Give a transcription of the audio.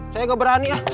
saya nggak berani